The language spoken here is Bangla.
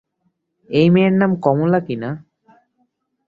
এই মেয়ের নাম কমলা কি না?